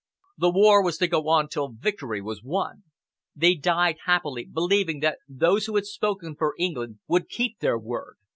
The war was to go on till victory was won.. They died happily, believing that those who had spoken for England would keep their word.